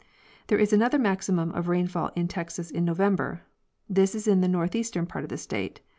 'There is another maximum of rainfall in Texas in November. This is in the northeastern part of the state.